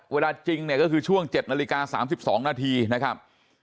เวลาจริงเนี่ยก็คือช่วง๗นาฬิกา๓๒นาทีนะครับ